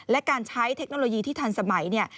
และการใช้เทคโนโลยีที่ทันสมัยเนี่ย